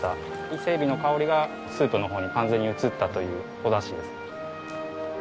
伊勢エビの香りがスープの方に完全に移ったというお出汁です。